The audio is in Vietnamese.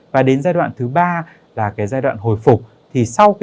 và đến giai đoạn thứ ba là giai đoạn hồi phục